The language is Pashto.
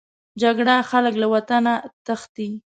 جګړه خلک له وطنه تښتي